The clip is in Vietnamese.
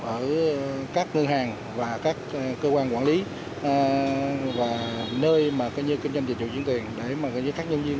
ở các ngân hàng và các cơ quan quản lý và nơi mà kinh doanh dịch vụ chiến tuyển để các nhân viên